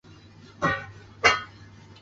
高获师事司徒欧阳歙。